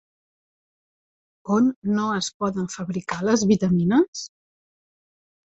On no es poden fabricar les vitamines?